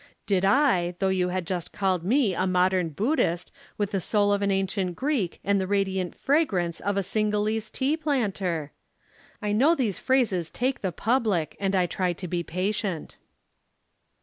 Did I, though you had just called me a modern Buddhist with the soul of an ancient Greek and the radiant fragrance of a Cingalese tea planter? I know these phrases take the public and I try to be patient."